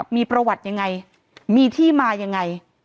มีประวัติยังไงมีที่มายังไง